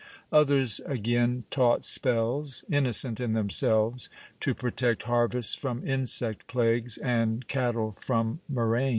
Others again taught spells, innocent in themselves, to protect harvests from insect plagues and cattle from murrain.